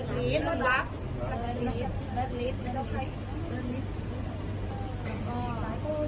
มีเงินลีฟโรคเอก